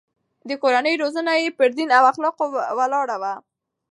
د کورنۍ روزنه يې پر دين او اخلاقو ولاړه وه.